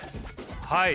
はい。